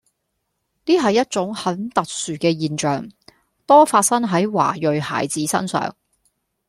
呢係一種很特殊嘅現象，多發生喺華裔孩子身上